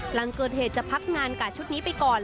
หลังเกิดเหตุจะพักงานกาดชุดนี้ไปก่อน